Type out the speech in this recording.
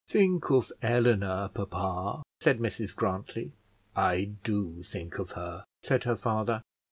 "Think of Eleanor, papa," said Mrs Grantly. "I do think of her," said her father.